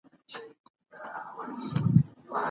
ټولنيزه پوهه د انسان اخلاق سموي.